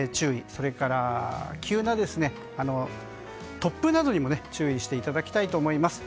それから、急な突風などにも注意していただきたいと思います。